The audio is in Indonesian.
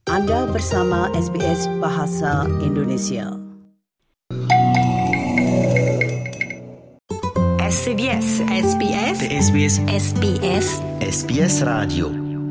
anda bersama sbs bahasa indonesia